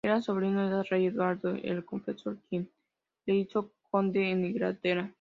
Era sobrino del rey Eduardo el Confesor, quien le hizo conde en Inglaterra.